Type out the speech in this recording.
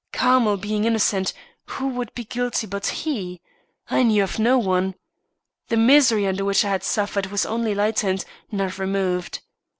Carmel being innocent, who could be guilty but he. I knew of no one. The misery under which I had suffered was only lightened, not removed.